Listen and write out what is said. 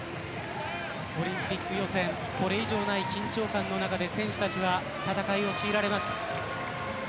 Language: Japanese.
オリンピック予選これ以上ない緊張感の中で選手たちが戦いをしいられました。